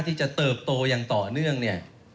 ที่จะเติบโตอย่างต่อเนื่องเนี่ย